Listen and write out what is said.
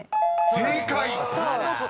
［正解！］